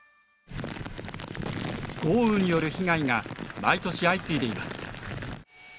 豪雨による被害が毎年相次いでいます。